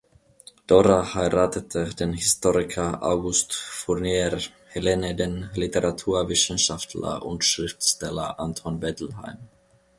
Dora heiratete den Historiker August Fournier, Helene den Literaturwissenschaftler und Schriftsteller Anton Bettelheim.